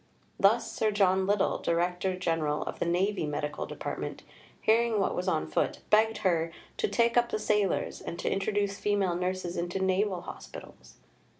Thus Sir John Liddell, Director General of the Navy Medical Department, hearing what was on foot, begged her "to take up the sailors," and to "introduce female nurses into naval hospitals."